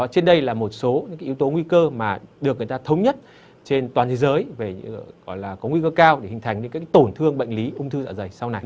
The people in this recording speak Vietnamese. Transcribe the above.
trên đây là một số những yếu tố nguy cơ mà được người ta thống nhất trên toàn thế giới gọi là có nguy cơ cao để hình thành những tổn thương bệnh lý ung thư dạ dày sau này